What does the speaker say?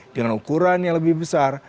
dengan ukuran yang lebih besar